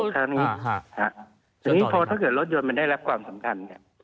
ถ้าเกิดรถยนต์มันได้รับความสำคัญ